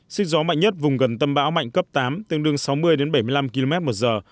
sức gió mạnh nhất vùng gần tâm bão mạnh cấp tám tương đương sáu mươi bảy mươi năm km một giờ